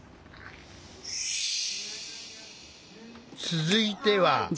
続いては。